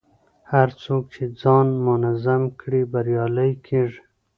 هر څوک چې ځان منظم کړي، بریالی کېږي.